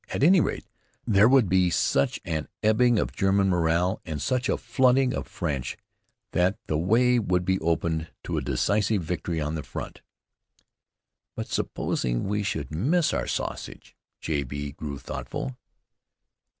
At any rate, there would be such an ebbing of German morale, and such a flooding of French, that the way would be opened to a decisive victory on that front. But supposing we should miss our sausage? J. B. grew thoughtful.